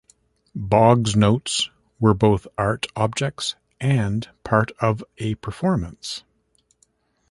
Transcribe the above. Boggs notes were both art objects and part of a performance.